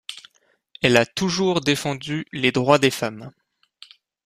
Elle a toujours défendu les droits des femmes.